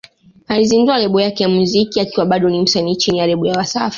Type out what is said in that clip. Alizindua lebo yake ya muziki akiwa bado ni msanii chini ya lebo ya Wasafi